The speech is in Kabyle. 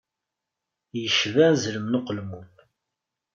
Yecba azrem n uqermud.